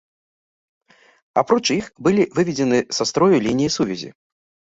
Апроч іх, былі выведзены са строю лініі сувязі.